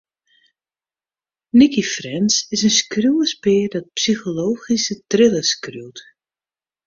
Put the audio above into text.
Nicci French is in skriuwerspear dat psychologyske thrillers skriuwt.